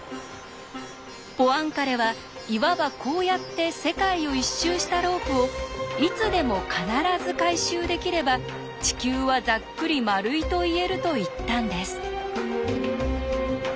ポアンカレはいわばこうやって世界を一周したロープを「いつでも必ず回収できれば地球はざっくり丸いと言える」と言ったんです。